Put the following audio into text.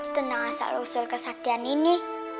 tentang asal usul kesaktian ini